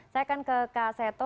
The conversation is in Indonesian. saya akan ke kak seto